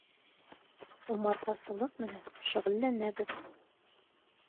Умартасылыҡ менән шөғөлләнәбеҙ.